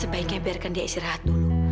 sebaiknya biarkan dia istirahat dulu